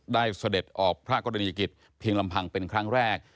เสด็จออกพระกรณียกิจเพียงลำพังเป็นครั้งแรก